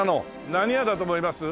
何屋だと思います？